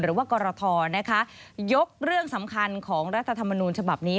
หรือว่ากรทนะคะยกเรื่องสำคัญของรัฐธรรมนูญฉบับนี้